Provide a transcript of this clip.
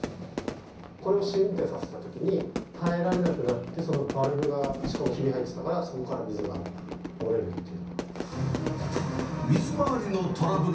これを試運転させたときに、耐えられなくなって、そのバルブが、しかもひび入ってたから、そこから水が漏れるっていう。